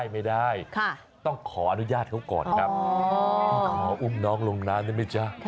ไม่ได้ต้องขออนุญาตเขาก่อนครับขออุ้มน้องลงน้ำได้ไหมจ๊ะ